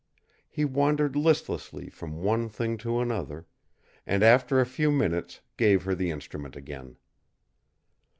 He wandered listlessly from one thing to another, and after a few minutes gave her the instrument again.